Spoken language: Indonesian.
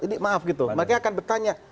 jadi maaf gitu mereka akan bertanya